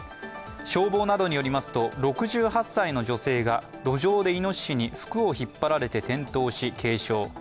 消防などによりますと、６８歳の女性が路上でイノシシに服を引っ張られて転倒し軽傷。